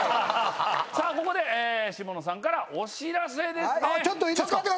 ここで下野さんからお知らせです。